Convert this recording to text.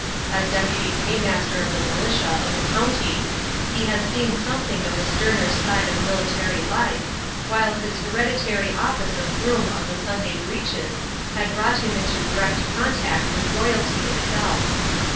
As deputy paymaster of the militia of the county he had seen something of the sterner side of military life, while his hereditary office of Groom of the Sunday Breeches had brought him into direct contact with Royalty itself.